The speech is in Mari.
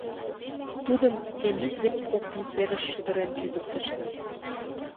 Тудым Темит дене коктын серыш шӱдырен кӱзыктышна.